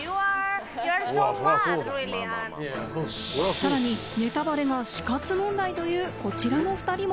さらにネタバレが死活問題というこちらの２人も。